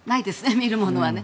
見るものはね。